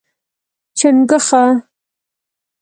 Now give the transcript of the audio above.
🐸 چنګوښه